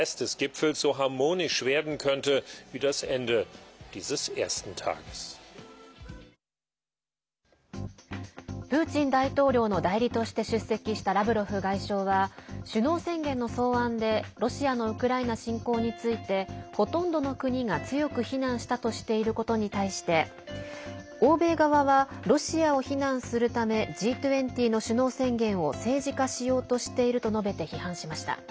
プーチン大統領の代理として出席したラブロフ外相は首脳宣言の草案でロシアのウクライナ侵攻についてほとんどの国が強く非難したとしていることに対して欧米側はロシアを非難するためＧ２０の首脳宣言を政治化しようとしていると述べて批判しました。